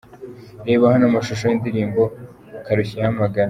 Reba hano amashusho y'indirimbo 'Karushya ihamagara'.